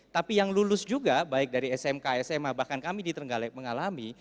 tapi yang lulus juga baik dari smk sma bahkan kami di trenggalek mengalami